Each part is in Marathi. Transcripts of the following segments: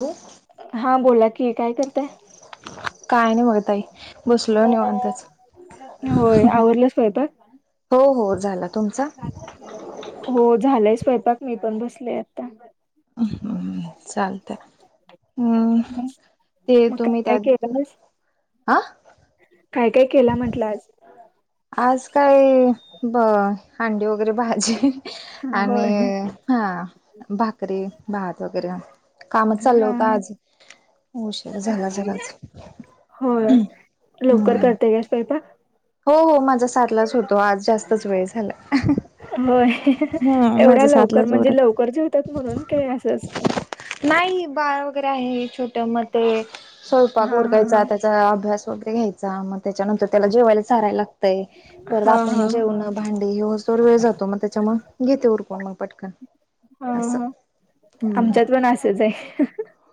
हो हा बोला की, काय करताय? काय नाही बगा ताई बसलो निवातच. होय, आवरला स्वयंपाक? हो हो झाला. तुमचा? हो झालंय स्वयंपाक मी पण बसलेय आता, हम्म चालतय हम् ते मग येतो मी काय काय त्यात तिथ. केलं आज? आ, काय काय केला म्हंटलं आज? आज काय ब हंडी वगैरे भाजी आणि होय हा भाकरी भात वगैरे कामच चाललं हा होत आज, उशीर झाला जराच होय, लवकर हम्म करते काय स्वयंपाक? हो हो माझा सातलाच होतो आज जास्तच वेळ झालाय. होय एवढ्या लवकर म्हणजे उरक लवकर जेवतात म्हणून काय असं? नाही बाळ वगैरे आहे छोटे मग ते स्वयंपाक हा उरकाय हा हा जात अभ्यास वगैरे घ्यायचा मग त्याच्यानंतर त्याला जेवायलाच चारायला लाग तय परत हा हा आपण जेवन भांडे हे होऊस तवर वेळ जातो मग त्याच्यामूळ घेते उरकूण मग पटकन. ह असं ह हम्म आमच्यात पण असच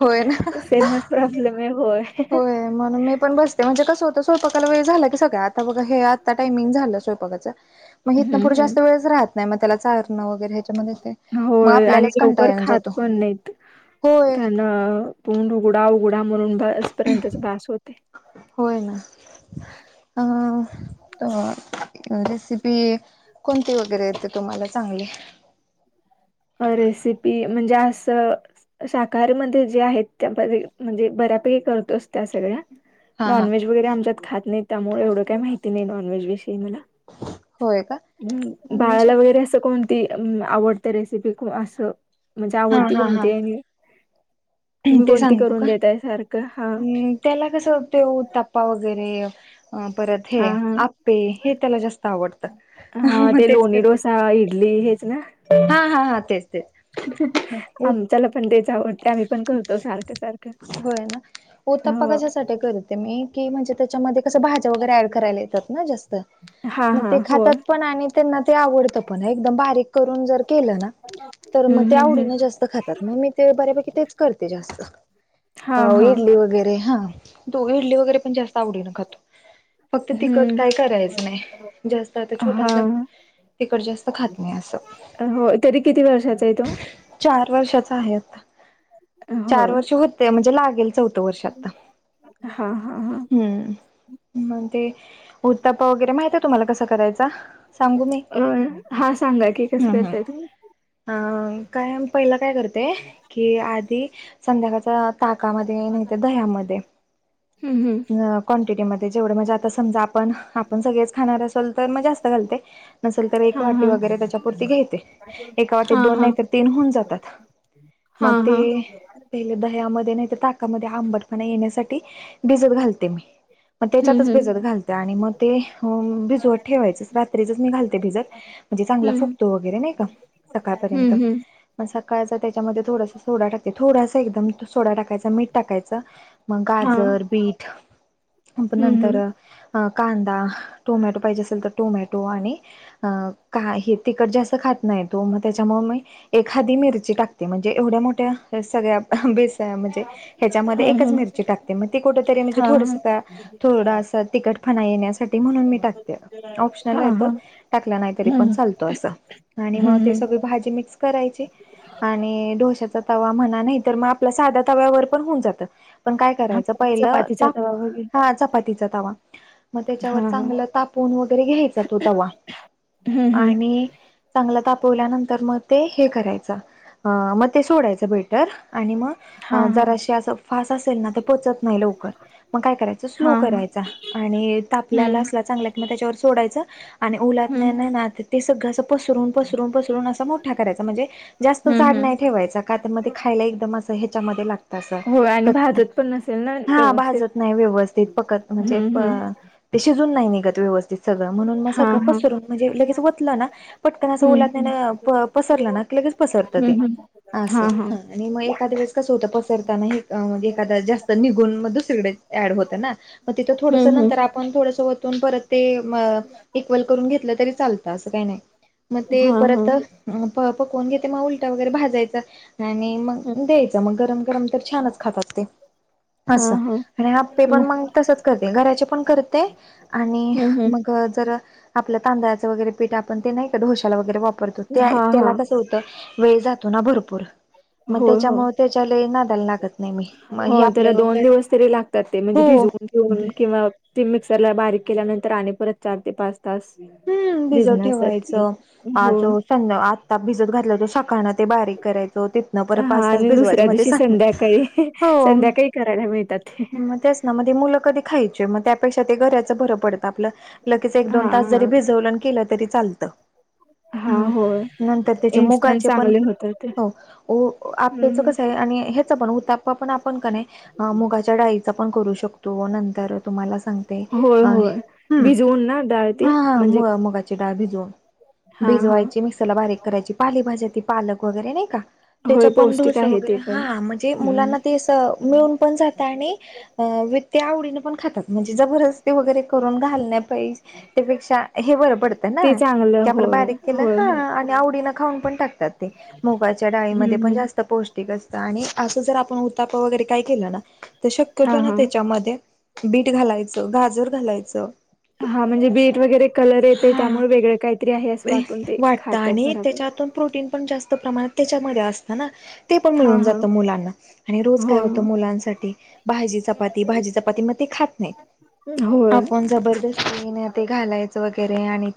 होय ना सेमच प्रॉब्लेमे हाय होय. होय म्हणून मी पण बसते म्हणजे कसं होतं स्वयपाकाला वेळ झाला की सगळ्या आता बघा हे आता टायमिंग झालं स्वयंपाकाचं मग हितंन हम्म पुढं जास्त हम्म वेळच राहत नाही मग त्याला चार न वैगेरे हवा ते मग होय आणि आपल्यालाच कंटाळ लवकर येऊन खात जातो. पण नाहीत. होय त्यांना तोंड उघडा उघडा म्हणून बसपर्यंतच बास होतय. होय ना. अ त रेसिपी कोणती वगैरे येते तुम्हाला चांगली? अ रेसिपी म्हणजे असं शाहकारीमध्ये जे आहेत त्या म्हणजे बऱ्यापैकी करतोच त्या सगळ्या, हा हा. नॉनव्हेज वगैरे आमच्यात खात नाही त्यामुळे एवढं काही माहिती नाही नॉनव्हेज विषयी मला. होय का हम् म्हणजे बाळाला वगैरे असं कोण ती आवडते रेसिपी असं म्हणजे हा आवडती हा हा कोणती हाय आणि तुम्ही ते कोणती सांगू का? करून देताय सारखं? हा हम्म त्याला कसं ते उताप्पा वगैरे अ परत हे हा हा आपे हे त्याला जास्त आवडतं. हा मग ते तेच लोणी करते डोसा इडली हेच ना, हा, हा, हा तेच तेच. त्याला पण ते जाव. होय ना उत्तप्पा हो कशासाठी कर, ते मी की म्हणजे त्याच्यामध्ये कसं भाज्या वगैरे, ऍड करायला येतात ना जास्त. हा मग हा ते हो खातात पण आणि त्यांना ते आवडत पण एकदम बारीक करून जर केलं ना, तर हम्म मग ते हम्म हम्म आवडीन जास्त खातात. मग मी ते बऱ्यापेकी क तेच करते जास्त हा हा इडली वगैरे, हा! ! तो इडले वगैरे पण जास्त आवडीन खातो. फक्त तिखट हम्म काय करायचं नाही. जास्त आता छोटा हा असल्यामुळे, तिकड जास्त खात नाही असं हो तरी किती वर्षाचा आहे तो? चार वर्षाचा आहे. आता हो चार वर्ष होते म्हणजे लागेल चौथ. वर्ष आता हा हा हा हम्म! ! ! मग ते उत्ता्प वगैरे, माहित आहे तुम्हाला कसं करायचा. सांगू मी अ हा सांगा की कस हम्म हम्म करताय तुम्ही. अ काय पहिलं काय करते की आधी संध्याकाळचा ताकामधे नाही ते दह्यामध्ये हम्म हम्म अ क्वांटिटीमध्येध्ये जेवढं म्हणजे आता समजा आपण आपण सगळेच खाणार अस जास्त घालते नसलं एक हा वाटी हा वगैरे त्याच्या पूर्ती घेते. ते हा दोन नाही तर तीन होऊन जातात. हा हा मग ते हा पहिले दह्यामध्ये नाही तर ताकामध्ये आंबटपणा येण्यासाठी भिजत घालते मी. मग हम्म त्याच्यातच हम्म भिजत घालते आणि मग ते भिजवत ठेवायचं रात्रीचच मी घालते भिजत. म्हणजे चांगला हम्म फुकतो वगैरे नाही का सकाळपर्यंत. हम्म हम्म सकाळचा त्याच्यामध्ये थोडासा सोडा टाकते. थोडासा एकदम सोडा टाकायच मीठ टाकायचं. मग हा गाजर, बीट, हम्म नंतर हम्म अ कांदा, टोमॅटो पाहिजे असेल तर टोमॅटो आणि अ का हे तिखट जास्त खात नाहीत. तो मग त्याच्यामुळे मी एखादी मिरची टाकते म्हणजे एवढ्या मोठ्या सगळ्या बेस म्हणजे ह्याच्यामध्ये हम्म एकच हम्म. मिरची टाकते. मग ती कुठ तरी म्हणजे हा थोडस हा थोडं अस तिकटपणा येण्यासाठी ते म्हणून मी टाकते ऑप्शनल हा आहे तो हा टाकला नाही तरी पण हम्म चालतो अस हम्म हम्म. भाजी मिक्स करायची? आणि डोशाचा तवा म्हणा नाही तर मग आपला साध्या तव्यावर पण होऊन जातं. पण काय हा करायचं. पहिलं चपातीचा ताप तवा वगैरे हा चपातीचा तावा. मग त्याच्यावर हा हा चांगलं तापून वगैरे घ्यायचा तो तवा हम्म हम्म आणि, चांगलं तापवल्यानंतर मग ते हे करायचं मग ते सोडायचं बेटर आणि मग हा हा जराशी असं फास्ट असेल ना ते पचत नाही लवकर. मग काय करायचं हा स्लो हा. करायचा आणि हम्म तापल्याला असला चांगला कि मग त्याच्यावर सोडायच. आणि हम्म उलतज्ञाने ज्ञान ना ते सगळं पसरवून पसरून, पसरून अस मोठा करायचा म्हणजे जास्त हम्म जाड हम्म नाही ठेवायचा. का त्यामध्ये खायला एकदम असं ह्याच्यामध्ये लागत. तसं होय आणि भाजत पण नसेल ना हा व्यवस्थित भाजत नाही व्यवस्थित पकत म्हणजे हम्म हम्म ते शिजून नाही निघत व्यवस्थित सगळं म्हणून मग हा सगळं हा पसरून म्हणजे लगेच वतलं ना पटकना हम्म पसरलं ना लगेच पसरत ते हम्म हम्म अस. हा हा आणि मग एखाद्या वेळेस कसं होत. पसरताना एखादा जास्त निघून मध्ये सगळे ऍड होत ना. म तिथं हम्म थोडं हम्म नंतर आप पण थोडसं वरतून परत ते इक्वल करून घेतलं तरी चालतं असं काही नाही. मग ते हा हा परत पकवून घेते मग उलटा वगैरे भाजायचा आणि मग हम्म, द्यायचं मग गरम- गरम तर छानच खातात ते. हा अस हा आणि अप्पे हम्म पण मग तसच करते घराचे पण करते. आणि हम्म हम्म. मग जर आपलं तांदळाचं वगैरे पीठ आपण ते नाही का डोशाला वगैरे वापरतो. त्या हा हा त्याला कसं होतं वेळ जातो ना भरपूर मग होय हो त्यांच्यामुळे त्याच्या लय नादाला लागत नाही. मी म हो हे आपलं त्याला दोन घर दिवस तरी लागत ते म्हणजे हो भिजून घेऊन किंवा ते मिक्सर ला बारीक केल्यानंतर आणि परत चार ते पाच तास हम्म बिझनेससाठी हो. समजा आता भिजत घातलं तर सकाळ ते बारीक करायचो तिथनं परत हा पाच तास आणि भिजवायच दुसऱ्या मध्ये दिवशी सध संध्याकाळी हो. संध्याकाळी करायला मिळतात ते मग त्याच म ते मूल खायचे त्यापेक्षा ते घच भर पडत आपलं लगेच एक दोन हा तास जरी हा जोरात केलं तरी चालत. हा होय नंतर त्याचे इन्स्टंट मुगाचे पण चांगले होतात ते हो हम्म आपेच हम्म कस आहे आणि हे उत्तपा आपण का नाही मुगाच्या डाळीचा पण करू शकतो नंतर तुम्हाला सांगते होय अ होय हम्म भिजवून ना डाळ ती हा. म्हणजे मुगाची डाळ भिजून हा हा भिजवायची मिक्स त्याला बारीक करायची पाले भाज्या पालक वगैरे नाही का होय त्याच्या पण पौष्टिक डोस आहे ते वगैरे पण हा म्हणजे हम्म मुलांना ते मिळून पण जात आणि अ व ते आवडीने पण खातात म्हणजे जबरदस्ती वगैरे करून घालण्या पाहिजे त्यापेक्षा हे बरं पडतंय ते ना. चांगलं आपलं होय बारीक केलं होय हा होय आणि आवडीन खाऊन पण टाकतात ते मुगाच्या डाळीमध्ये पण हम्म जास्त पौष्टिक असत आणि असं जर आपण उत्तप्पा वगैरे काय केलं ना तर हा शक्यतो ना हा त्याच्यामध्ये बीट घालायचं गाजर घालायचं. हा म्हणजे बीट वगैरे. कलर येतो हा त्यामुळे वेगळं काहीतरी आहे असं वाटून ते वाटतं खातात आणि त्याच्यातून प्रोटीन पण जास्त [unintelligible] प्रमाणात त्याच्यामध्ये असत ना ते पण हा मिळून हा जात मुलांना. आणि रोज काय होय होतं होय मुलांसाठी भाजी चपाती -भाजी चपाती मग ते खात नाहीत. होय आपण जबरदस्तीने ते घालायच. वर आणि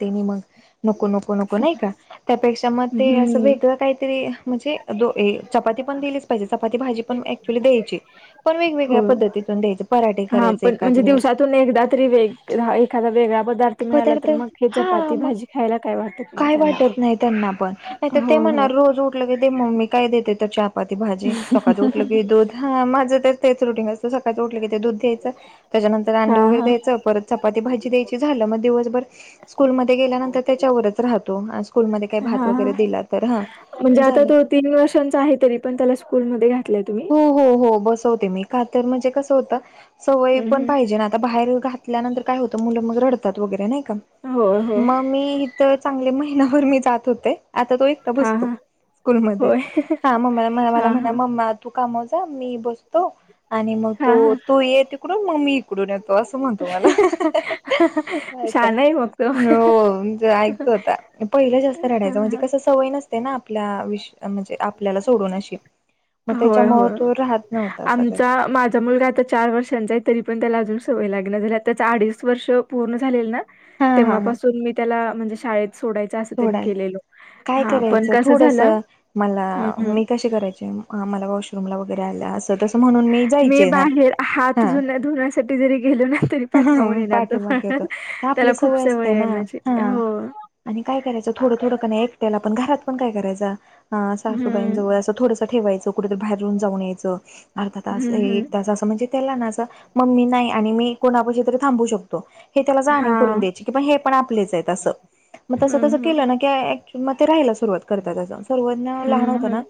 नको - नको - नको - नको नाही का त्यापेक्षा मग ते असं हम्म वेगळं काहीतरी म्हणजे दो चपाती पण दिलीच पाहिजे चपाती भाजी पण एक ली द्यायची पण वेगवेगळ्या हो पद्धतीतून द्यायचे पराठे करायचे एखाद्या वेळेस तुला एकदा तरी वेग एखादा वेगळा पदार्थ मिळाला तर मग याच्यात हा चपाती मग भाजी खायला काय वाटत नाही काय त्यांना वाटत फक्त नाही त्यांना पण नाही ते म्हणा रोज उठल की ते मग मी काय देते त्याच्यात चपाती भाजी सकाळं उठलं की दूध हा माझं तर तेच रुटीन असतं सकाळीच उठले ते दूध द्यायचं त्याच्यांतर अंड हा वगैरे हा द्यायचं परत. चपाती भाजी द्यायची झालं मग दिवसभर स्कूल मध्ये गेल्यानंतर त्याच्यावरच राहतो. स्कूलमध्ये काही भात हा हा वगैरे दिला तर हा म्हणजे आता झालं. तो तीन वर्षांचा आहे. तरी पण त्याला स्कूलमध्ये घातलं तुम्ही? हो, हो, हो बसवते मी, कातर म्हणजे कसं होतं, सवय हम्म पण हम्म पाहिजे ना आता बाहेर घातल्यानंतर काय होत, मुलं मग रडतात वगैरे नाही का, होय होय मग मी तर चांगले महिनाभर मी जात होते. आता तो एकट हा बसतो हा स्कूलमध्ये, होय हा मम्मा, मला हा म्हणला हा मम्मा तू कामाला जा मी बसतो आणि मग हा तो हा तू ये तिकडून मग मग मी इकडून येतो. तो असं म्हणतो मला, होय काय, शहाणा आहे मग तो हो म्हणजे ऐकतो आता. पहिलं जास्त रडायचं, म्हणजे कस सवय नसते ना आपल्या विष म्हणजे आपल्याला सोडून अशी मग होय, त्याच्यामुळे होय तो राहत नव्हता असा जास्त आमचा माझा मुलगा आता चार वर्ष चा तरी पण त्याला अजून सवय लागेलना झालीया. त्याच अडीच वर्ष पूर्ण झालेल ना हा हा हा तेव्हापासून मी त्याला म्हणजे शाळेत सोडायच. असं त्यांनी सोडायला, केलेल काय हा पण करायचं कसं थोडस झालं हम्म मला, हम्म मी कशे करायचे म हा मला वॉशरूमला वगैरे आल असं तसं म्हणून मी मी जायचे ना बाहेर हात हा धुणं, धुण्यासाठी जरी गेलो ना. तरी पाठीमागून येणार तो, पाठीमागे होतो तर त्याला आपली खूप असते सवय आहे ना माझी हा हो. आणि काय करायचं थोडं, थोडं कण एक आपण घरात पण काय करायचा अ सासूबाईंन हम्म जवळ असं थोडंस ठेवायचो कुठतर बाहेरून जाऊन यायचं, अर्धां तास, हम्म हम्म एक तास असं म्हणजे त्येला ना असं, मम्मी नाही आणि मी कोणापशी तरी थांबू शकतो. हे त्याला जाणीव हा करून द्यायची, की पण हे पण आपलेच आहेत असं, मग हम्म तसं-तसं हम्म केलं ना कि मग ते राहायला सुरुवात करतात अस, सरवतनं लहान हम्म हो हम्म ना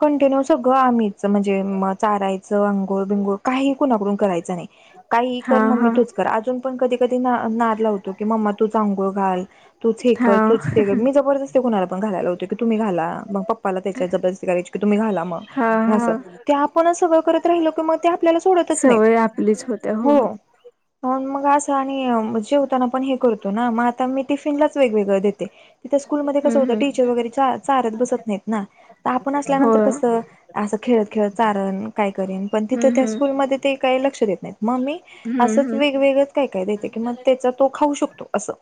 कंटिन्यू सगळं आम्ही म्हणजे चारायचं अंघोळ, बिंगोळ काही कुणाकडून करायचा नाही. काही हा कर हा मम्मी तुच अजून पण कधी, कधी नार लावतो की मम्मा तूच आगोळ घाल तूच हे हा कर, तूच ते कर मी जबरदस्त ते कोणाला पण घालाय लावतय, की तुम्ही घाला. मग पप्पाला त्याच्या जबरस्ती करायची की तुम्ही घाला म हा अस, हा ते आपणच सगळं करत राहिलो की मग त्या आपल्याला सोडतच नाहीत सवय आपलीच होत्या हो. मग, मग असं आणि जेवताना पण हे करतो ना, मग आता मी टिफिनलाच वेगवेगळं देते. तिथ स्कूलमध्ये कसं हम्म होतय, हम्म टीचर वगैरे चा, चारत बसत नाहीत ना, तर आपण हो असल्यानंतर हम्म कसं असं खेळत, खेळत चारण काय करेन, पण तिथं त्या हम्म स्कूलमध्ये ते काय लक्ष देत नाहीत. मग मी हम्म हम्म वेगळंच काय, काय देते कि मग त्येच तो खाऊ शकतो असं.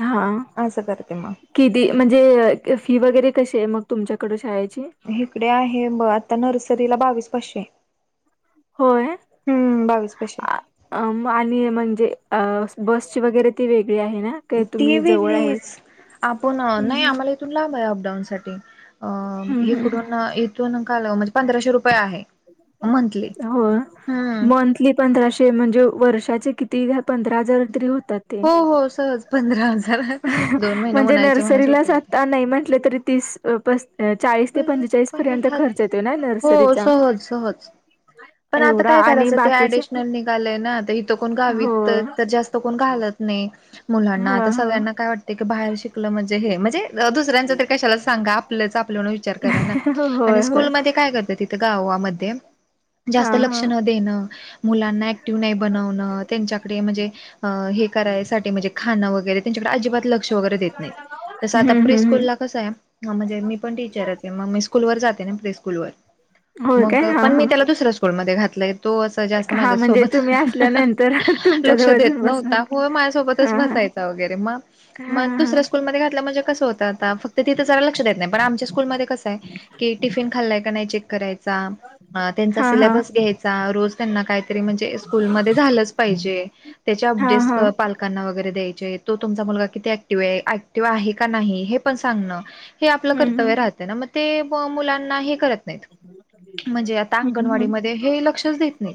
हा, असं करते मग. किती दि, म्हणजे फी वगैरे कशी हाय मग तुमच्याकड शाळेची? हिकडे आहे ब, आता नर्सरीला बावीस पाशे. होय. [unintelligible] बावीस पाचशे. अ आणि म्हणजे अ बसची वगैरे फी वेगळी आहे ना? काही ती तुम्ही जवळ आहे वेगळीच, हा पण नाही हम्म, आम्हाला इथून लाभ हाय अपडाऊन साठी. अ हम्म, हम्म. इकडून, इथून काल म्हणजे पंधराशे रुपये आहे. मंथली हो, हम्म मंथली पंधराशे म्हणजे वर्षाचे कि दहा- पंधरा हजार तरी होतात ते, हो हो सहज पंधरा हजार दोन महिने म्हणजे उन्हाळ्याचे म्हणा नर्सरीलाच सुट्टी होते आ, नाही म्हंटले तरी तीस अ पस चाळीस ते पंचेचाळीस पर्यंत खर्च येतोय ना हो नर्सरीचा? [unintelligible] पण आता एवढा काय आणि करायचं ते बाकीचे ऍडिशनल निघालय ना, आता इथं कोण हो गावीत तर जास्त कोण घालत नाही मुलांना, हा आता हा सगळ्यांना काय वाटतय की बाहेर शिक म्हणजे हे, म्हणजे दुसऱ्यांच कशाला सांगा आपलं आप एवढा विचार करा ना आणि होय होय स्कूल म काय करत तिथं गावामध्ये. जास्त हा हा लक्ष न देणं मुलांना ऍक्टिव नाही बनवणं त्यांच्याकडे म्हणजे. अं हे करायसाठी म्हणजे खाणं वगैरे त्यांच्याकडे अजिबात लक्ष वगैरे देत नाहीत. तसं हम्म आता हम्म प्रि स्कूल हम्म ला कसं आहे. हा म्हणजे मी पण टीचरच आहे मग मी स्कूल वर जाते ना प्रेस्कूल वर. होय मग काय हा पण मी हा त्याला दुसऱ्या स्कूलमध्ये घातलाय तो असं. जास्त हा म्हणजे तुम्ही माझ्यासोबत असल्यानंतर तुमच्या लक्ष जवळच येऊन देत बसणार नव्हता होय माझ्यासोबतच हा हा बसायचं. त वगैरे मग हा मग हा दुसऱ्या स्कूल मध्ये घातल्या म्हणजे कसं होतात. ता फक्त तिथ जरा लक्ष देत नाही पण आमच्या स्कूलमध्ये कसं आहे. की, टिफिन खाल्लाय का नाही चेक करायचा. अ त्यांचा हा हा सिलेबस घ्यायचा रोज त्यांना काहीतरी म्हणजे स्कूलमध्ये झालंच पाहिजे. त्याच्या हा हा अपडेट पाल''--'' कांना वगैरे द्यायचे तो तुमचा मुलगा किती ऍक्टिव्ह आहे. ऍक्टिव्ह आहे का नाही हे पण सांगणं. हे आप''--'' हम्म कर्तव्य हम्म राह ना मग ते मुलांना हे करत नाही म्हणजे आता हम्म हम्म अंगणवाडीमध्ये. हे लक्षच देत नाही.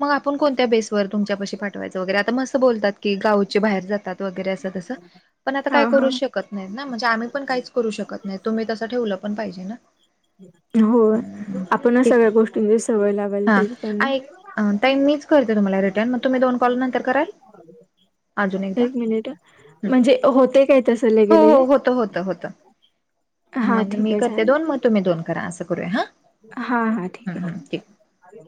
मग आपण कोणत्या बेसवर तुमच्या पशी पाठवायचं वगैरे आता मस्त बोलतात की, गावचे बाहेर जातात. वगैरे अस तसं. पण आता हा काय हा करूच शकत नाहीत ना म्हणजे आम्ही पण काहीच करू शकत नाही तुम्ही तसं ठेवलं पण पाहिजे ना. होय हम्म. आपण ठीक आहे सगळ्या गोष्टींची सवय लावायला हा पाहिजे त्यांना. ऐक ताई मीच करते तुम्हाला रिटर्न मग तुम्ही दोन कॉल नंतर कराल. अजून एकदा एक मिनिट म्हणजे होते काय तसं हो लगे लगे हो, होत होत होतं. हा मण ठीक मी आहे करते चालेल दोन मग तुम्ही दोन करा असं करूया हा, हा हा, ठीक हम्म हम्म आहे.